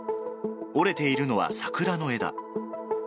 折れているのは桜の枝。